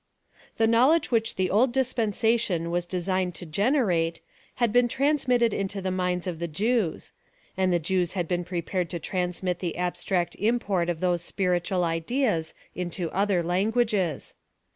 The knowledge whicli the old dispensation was designed to generate, had been transmitted into the minds of the Jews ; and the Jews had been prepa red to transmit the abstract import of those spiritual ideas into other languages.